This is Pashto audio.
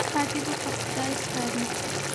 پاتې په خدای سپارئ.